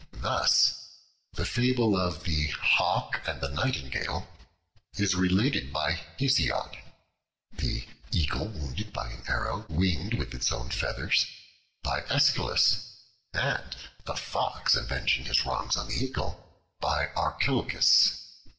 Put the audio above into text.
Thus, the fable of the "Hawk and the Nightingale" is related by Hesiod; the "Eagle wounded by an Arrow, winged with its own Feathers," by Aeschylus; the "Fox avenging his wrongs on the Eagle," by Archilochus.